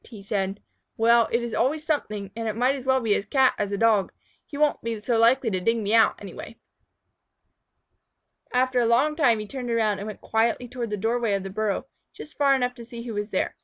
said he. "Well, it is always something, and it might as well be a Cat as a Dog. He won't be so likely to dig me out, anyway." After a long time he turned around, and went quietly toward the door way of the burrow, just far enough to see who was there.